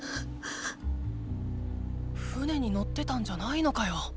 船に乗ってたんじゃないのかよ！